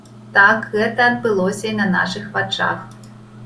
Так гэта адбылося і на нашых вачах.